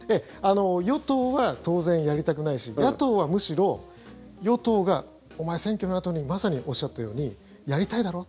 与党は当然やりたくないし野党は、むしろ与党がお前、選挙のあとにまさにおっしゃったようにやりたいだろ？